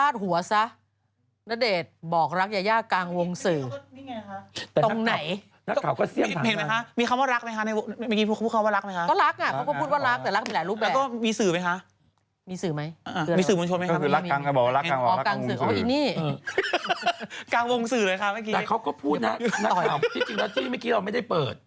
แต่เขาก็พูดนะที่เมื่อกี้เราไม่ได้เปิด